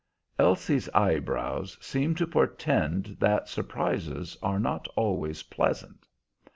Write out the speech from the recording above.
Elsie's eyebrows seemed to portend that surprises are not always pleasant.